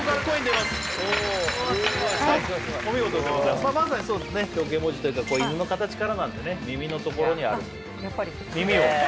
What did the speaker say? まさにそうですね象形文字というか犬の形からなんでねみみのところにあるあ